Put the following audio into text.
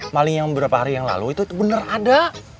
maling yang beberapa hari yang lalu itu benar ada